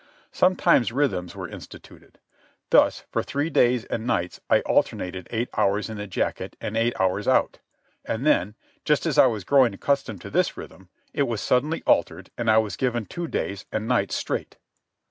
Sometimes rhythms were instituted. Thus, for three days and nights I alternated eight hours in the jacket and eight hours out. And then, just as I was growing accustomed to this rhythm, it was suddenly altered and I was given two days and nights straight.